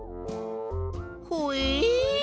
ほえ！？